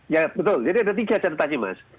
ya betul jadi ada tiga ceritanya mas